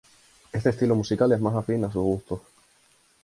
Este estilo musical es más afín a sus gustos.